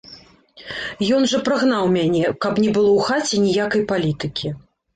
Ён жа прагнаў мяне, каб не было ў хаце ніякай палітыкі!